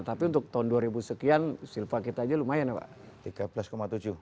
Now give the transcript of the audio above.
tapi untuk tahun dua ribu sekian silva kita aja lumayan ya pak